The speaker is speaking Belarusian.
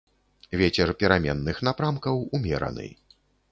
Вецер пераменных напрамкаў умераны.